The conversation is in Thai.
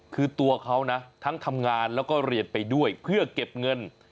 คือตัวเขานะทั้งทำงานแล้วก็เรียนไปด้วยเพื่อเก็บเงิน